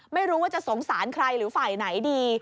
ไม่รู้ว่าจะสงสารใครหรือฝ่ายไหนดี